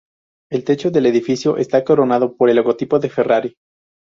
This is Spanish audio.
El techo del edificio está coronado por el logotipo de Ferrari.